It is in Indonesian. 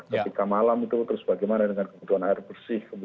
ketika malam itu terus bagaimana dengan kebutuhan air bersih